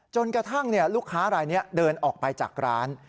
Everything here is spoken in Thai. จนกระทั่งลูกค้ารายนี้เดินออกไปจากร้าน